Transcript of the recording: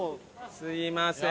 すみません。